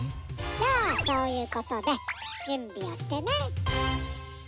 じゃあそういうことでじゅんびをしてね。